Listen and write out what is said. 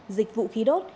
dịch vụ khí đốt